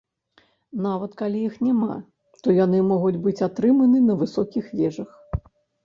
Нават калі іх няма, то яны могуць быць атрыманы на высокіх вежах.